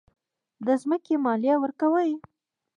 د ځمکې مالیه ورکوئ؟